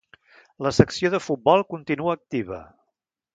La secció de futbol continua activa.